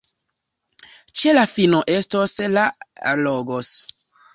Ĉe la fino estos la Logos!